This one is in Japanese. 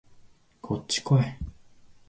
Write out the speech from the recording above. こっちこい